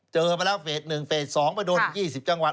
เจอไปแล้วเฟส๑เฟส๒ไปโดน๒๐จังหวัด